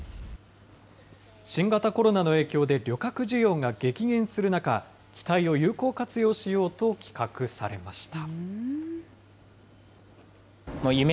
新型コロナの影響で、旅客需要が激減する中、機体を有効活用しようと企画されました。